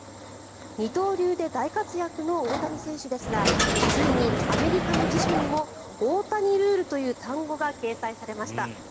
二刀流で大活躍の大谷選手ですがついにアメリカの辞書にも大谷ルールという単語が掲載されました。